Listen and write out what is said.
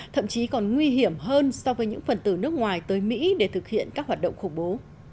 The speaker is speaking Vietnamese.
thậm chí còn nguy hiểm hơn so với những phần từ nước ngoài tới mỹ để thực hiện các hoạt động khủng bố